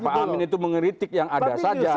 pak amin itu mengeritik yang ada saja